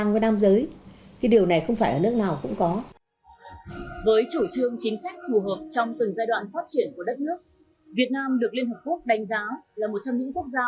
việt nam được liên hợp quốc đánh giá là một trong những quốc gia